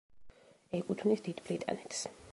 ეკუთვნის დიდ ბრიტანეთს.